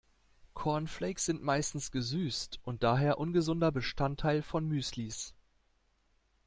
Cornflakes sind meistens gesüßt und daher ungesunder Bestandteil von Müslis.